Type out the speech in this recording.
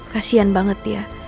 kasian banget ya